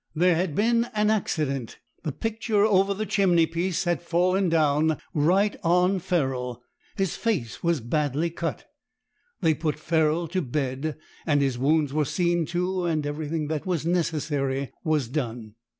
There had been an accident. The picture over the chimney piece had fallen down right on Ferrol. His face was badly cut. They put Ferrol to bed, and his wounds were seen to and everything that was necessary was done.